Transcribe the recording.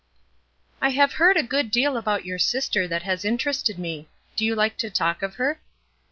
"I have heard a good deal about your sister that has interested me. Do you like to talk of her?"